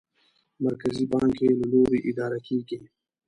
مرکزي بانک یې له لوري اداره کېږي.